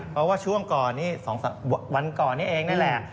เพราะว่าช่วงก่อนนี้๒วันก่อนนี้เองนั่นแหละ